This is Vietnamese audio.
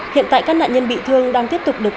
hiện tại các nạn nhân bị thương đang tiếp tục được